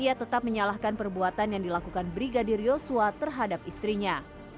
ia tetap menyalahkan perbuatan yang dilakukan brigadir yosua terhadap istrinya